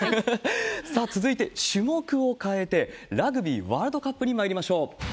さあ、続いて、種目を変えて、ラグビーワールドカップにまいりましょう。